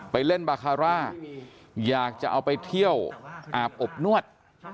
เล่นบาคาร่าอยากจะเอาไปเที่ยวอาบอบนวด